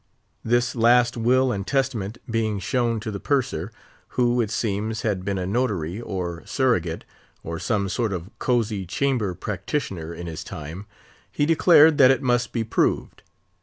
This last will and testament being shown to the Purser, who, it seems, had been a notary, or surrogate, or some sort of cosy chamber practitioner in his time, he declared that it must be "proved."